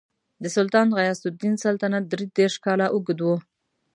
د سلطان غیاث الدین سلطنت درې دېرش کاله اوږد و.